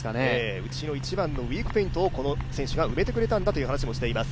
うちの一番のウィークポイントを彼が埋めてくれたんだという話をしています。